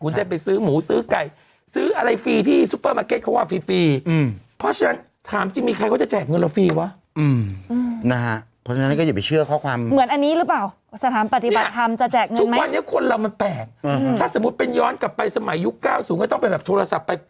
มันแปลกถ้าสมมุติเป็นย้อนกลับไปสมัยยุค๙๐ก็ต้องเป็นแบบโทรศัพท์ไป